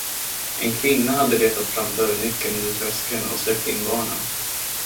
En kvinna hade letat fram dörrnyckeln under tröskeln och släppt in barnen.